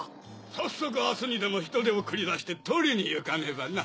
早速明日にでも人手を繰り出して取りに行かねばな。